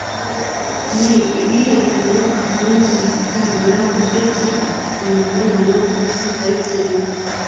ni ibihe bintu akunze kuganiraho uretse imibonano mpuzabitsina